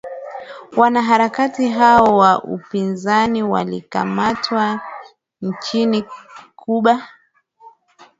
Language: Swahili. wanaharakati hao wa upinzani walikamatwa nchini cuba